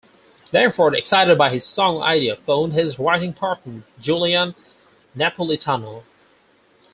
Langford excited by his song idea phoned his writing partner Julian Napolitano.